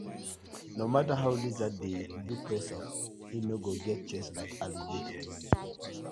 No matter how lizard dey do press up e no go get chest like alligator: